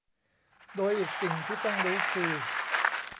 โดยอีกสิ่งที่ต้องรู้คือ